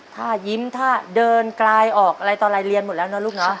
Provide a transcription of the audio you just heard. ถ้ายิ้มถ้าเดินกลายออกไรต่อไรเรียนหมดแล้วนะลูก